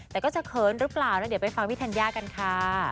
แต่ก็จะเขินหรือเปล่าแล้วเดี๋ยวไปฟังพี่ธัญญากันค่ะ